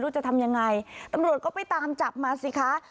จะทำยังไงตำรวจก็ไปตามจับมาสิคะ